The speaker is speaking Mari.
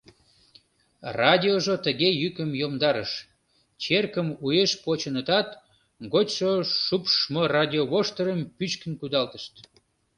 Радиожо тыге йӱкым йомдарыш: черкым уэш почынытат, гочшо шупшмо радиовоштырым пӱчкын кудалтышт.